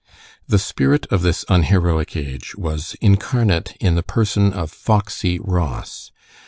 The spirit of this unheroic age was incarnate in the person of "Foxy" Ross.